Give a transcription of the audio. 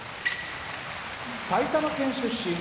埼玉県出身